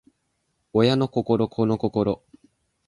親の心子の心